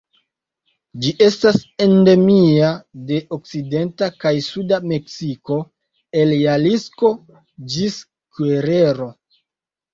Ĝi estas endemia de okcidenta kaj suda Meksiko, el Jalisco ĝis Guerrero.